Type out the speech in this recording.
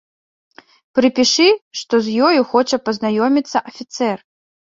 Прыпішы, што з ёю хоча пазнаёміцца афіцэр.